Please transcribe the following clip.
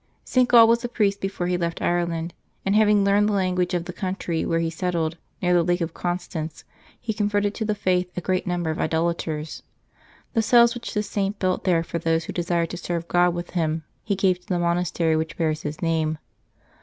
St. Gall was a priest before he left Ireland, and having learned the lan guage of the country where he settled, near the Lake of Constance, he converted to the faith a great number of idolaters. The cells which this Saint built there for those who desired to serve God with him, he gave to the mon astery which bears his name.